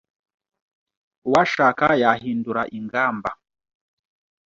Uwashaka yahindura ingamba